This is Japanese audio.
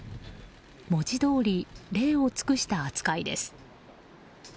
文字どおり礼を尽くした扱いです。